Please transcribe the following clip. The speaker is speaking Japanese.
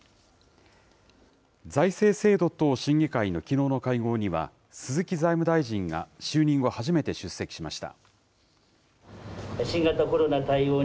財政制度等審議会のきのうの会合には、鈴木財務大臣が就任後初めて出席しました。